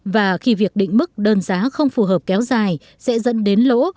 và khi việc định mức đơn giá không phù hợp kéo dài sẽ dẫn đến lỗ